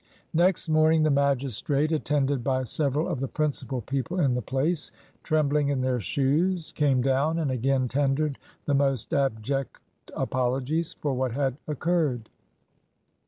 Next morning the magistrate, attended by several of the principal people in the place, trembling in their shoes, came down, and again tendered the most abject apologies for what had occurred.